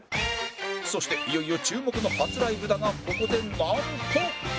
そしていよいよ注目の初ライブだがここでなんと